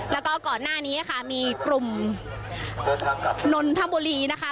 แล้วก็ก่อนหน้านี้ค่ะมีกลุ่มนนทบุรีนะคะ